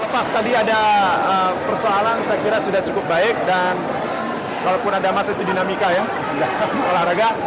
pas tadi ada persoalan saya kira sudah cukup baik dan walaupun ada masa itu dinamika ya olahraga